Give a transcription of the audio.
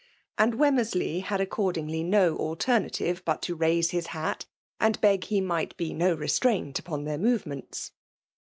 And Wemmersley had a& oerdingly no alternative but to raise his hat, and beg he might be no restraint upon their movements.